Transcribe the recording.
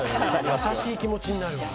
優しい気持ちになるわ。